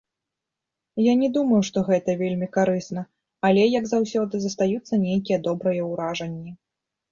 Я не думаю, што гэта вельмі карысна, але, як заўсёды, застаюцца нейкія добрыя ўражанні.